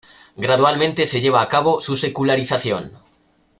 Gradualmente se lleva a cabo su secularización.